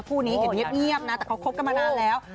คู่นี้เห็นเงียบนะแต่เขาคบกันมานานแล้ว